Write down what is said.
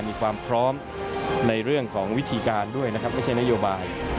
มีความพร้อมในเรื่องของวิธีการด้วยนะครับไม่ใช่นโยบาย